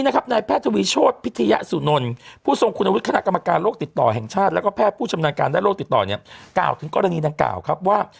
ก้าวถึงก้าวหนี้หนังก้าวครับว่า